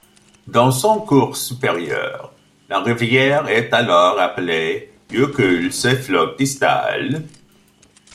Dans son cours supérieur, la rivière est alors appelé Jökulsá í Fljótsdal.